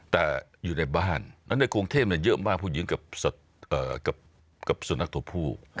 แต่อยู่ในบ้านนั้นในกรุงเทพเยอะมากผู้หญิงกับสุนัขตัวผู้